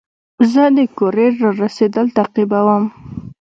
زه د کوریر رارسېدل تعقیبوم.